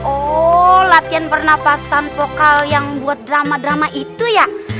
oh latihan pernafasan vokal yang buat drama drama itu ya